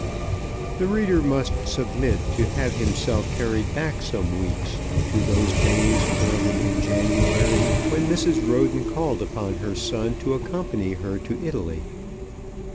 The reader must submit to have himself carried back some weeks, to those days early in January, when Mrs. Roden called upon her son to accompany her to Italy.